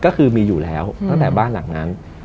ก็คือมีอยู่แล้วตั้งแต่บ้านหลังนั้น